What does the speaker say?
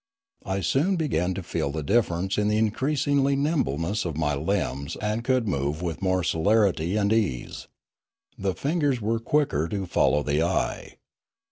I soon began to feel the difference in the increasing nimble ness of my limbs and could move with more celerity and ease. The fingers were quicker to follow the eye.